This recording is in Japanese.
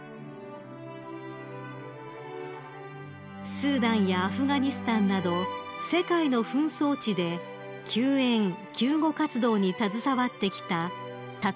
［スーダンやアフガニスタンなど世界の紛争地で救援・救護活動に携わってきた原美貴さん］